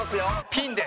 ピンで？